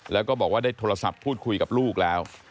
แล้วก็บอกว่าได้โทรศัพท์พูดคุยกับลูกแล้ว